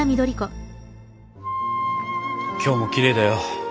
今日もきれいだよ。